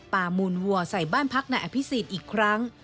มูลวัวใส่บ้านพักนายอภิษฎอีกครั้ง